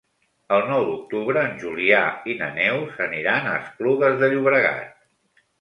El nou d'octubre en Julià i na Neus aniran a Esplugues de Llobregat.